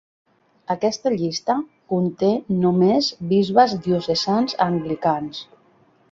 Aquesta llista conté només bisbes diocesans anglicans.